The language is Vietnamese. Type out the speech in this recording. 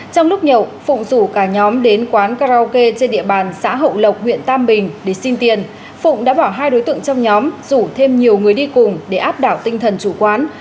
trong lúc nhậu phụng rủ cả nhóm đến quán karaoke trên địa bàn xã hậu lộc huyện tam bình để xin tiền phụng đã bỏ hai đối tượng trong nhóm rủ thêm nhiều người đi cùng để áp đảo tinh thần chủ quán